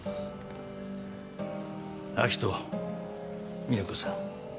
明人美保子さん。